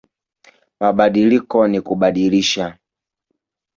Mabadiliko ni kubadilisha